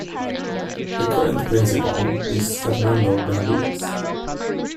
The current principal is Fernando Benavides.